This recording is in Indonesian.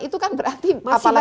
itu kan berarti apa lagi